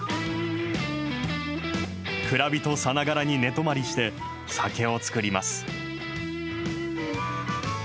蔵人さながらに寝泊まりして、酒を造ります。